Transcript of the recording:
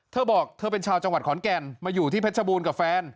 เธอบอกเธอเป็นชาวจังหวัดขอนแก่นมาอยู่ที่เพชรบูรณ์กับแฟน